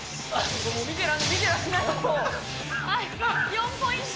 ３ポイント。